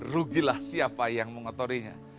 rugilah siapa yang mengotorinya